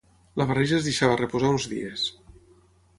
La barreja es deixava reposar uns dies.